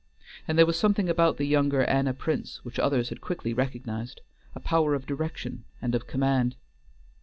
And there was something about the younger Anna Prince which others had quickly recognized; a power of direction and of command.